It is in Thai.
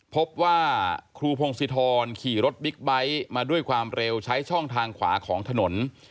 พบว่าครูพงศิธรขี่รถบิ๊กไบท์มาด้วยความเร็วใช้ช่องทางขวาของถนน